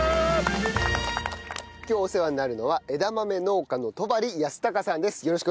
今日お世話になるのは枝豆農家の戸張恭隆さんです。